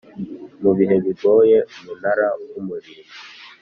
mu bihe bigoye Umunara w Umurinzi